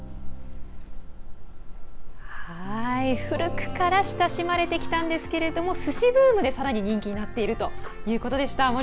古くから親しまれてきたんですけれどもスシブームで、さらに人気になっているということでした。